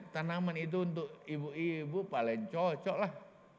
tanaman itu untuk ibu ibu paling cocoklah